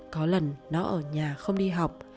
có lần nó ở nhà không đi học